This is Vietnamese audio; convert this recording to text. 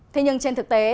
thế nhưng trên thực tế